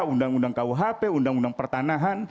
undang undang kuhp undang undang pertanahan